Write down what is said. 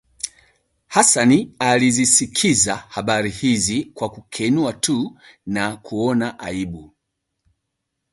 Hassan alizisikiza habari hizi kwa kukenua tu na kuona aibu